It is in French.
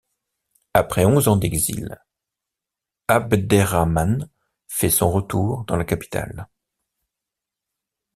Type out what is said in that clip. Après onze ans d’exil, Abderrahman fait son retour dans la capitale.